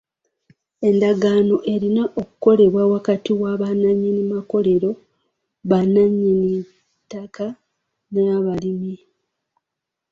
Endagaano erina okukolebwa wakati wa bannannyini makolero, bannanyinittaka n'abalimi.